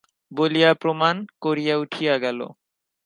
বলিয়া প্রণাম করিয়া উঠিয়া গেল।